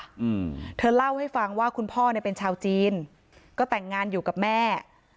อืมเธอเล่าให้ฟังว่าคุณพ่อเนี้ยเป็นชาวจีนก็แต่งงานอยู่กับแม่